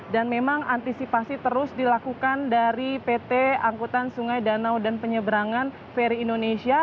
dan memang antisipasi terus dilakukan dari pt angkutan sungai danau dan penyeberangan ferry indonesia